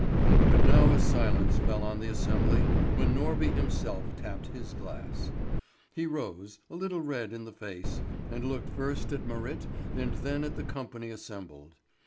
But now a silence fell on the assembly when Norby himself tapped his glass. He rose, a little red in the face, and looked first at Marit and then at the company assembled.